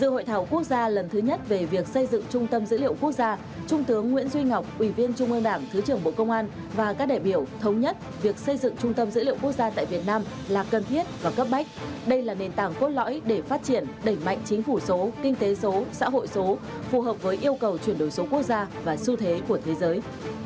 hội thảo quốc gia lần thứ nhất về việc xây dựng trung tâm dữ liệu quốc gia trung tướng nguyễn duy ngọc ủy viên trung ương đảng thứ trưởng bộ công an và các đại biểu thống nhất việc xây dựng trung tâm dữ liệu quốc gia tại việt nam là cần thiết và cấp bách đây là nền tảng cốt lõi để phát triển đẩy mạnh chính phủ số kinh tế số xã hội số phù hợp với yêu cầu chuyển đổi số quốc gia và xu thế của thế giới